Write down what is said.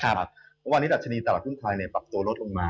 เพราะว่าอันนี้ดับชนีดับชนีตลาดตลาดคุณไทยปรับตัวลดลงมา